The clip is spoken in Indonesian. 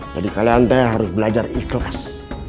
jadi kalian ternyata harus belajar ikhlas